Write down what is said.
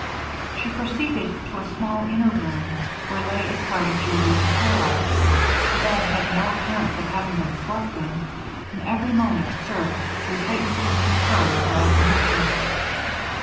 She proceeded to a small inner room, where lay a part of Julia's apparel. The bed had no appearance of having being slept in, and every moment served to heighten and confirm her apprehensions.